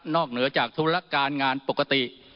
เหนือจากธุรการงานปกติ